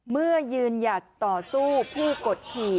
เมื่อยืนหยัดต่อสู้ผู้กดขี่